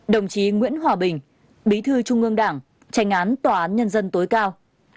hai mươi một đồng chí nguyễn hòa bình bí thư trung ương đảng tránh án tòa án nhân dân tối cao